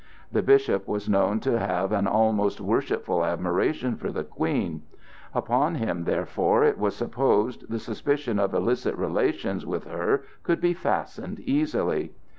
This bishop was known to have an almost worshipful admiration for the Queen; upon him, therefore, it was supposed, the suspicion of illicit relations with her could be fastened easily.